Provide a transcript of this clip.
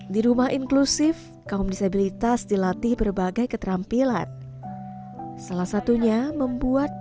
di rumah inklusif kaum disabilitas dilatih berbagai keterampilan salah satunya membuat